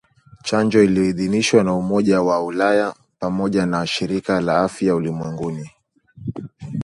chanjo iliyoidhinishwa na Umoja wa Ulaya pamoja na shirika la Afya Ulimwenguni